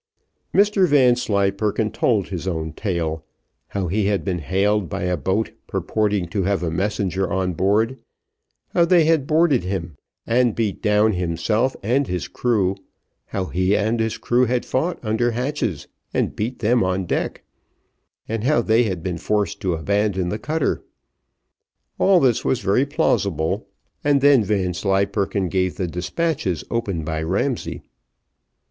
Mr Vanslyperken told his own tale, how he had been hailed by a boat purporting to have a messenger on board, how they had boarded him and beat down himself and his crew, how he and his crew had fought under hatches and beat them on deck, and how they had been forced to abandon the cutter. All this was very plausible, and then Vanslyperken gave the despatches opened by Ramsay.